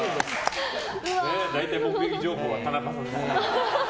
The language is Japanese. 大体目撃情報は田中さんですから。